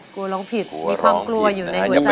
กลัวร้องผิดมีความกลัวอยู่ในหัวใจ